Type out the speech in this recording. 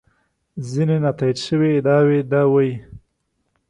ځینې نا تایید شوې ادعاوې دا وایي.